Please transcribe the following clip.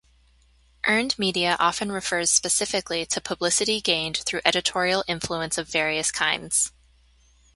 Earned media often refers specifically to publicity gained through editorial influence of various kinds.